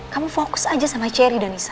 kamu fokus aja sama cherry dan nisa